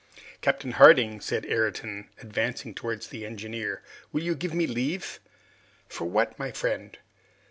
"Captain Harding," then said Ayrton, advancing towards the engineer, "will you give me leave?" "For what, my friend?"